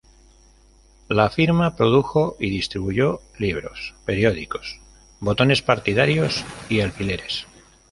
La firma produjo y distribuyó libros, periódicos, botones partidarios y alfileres.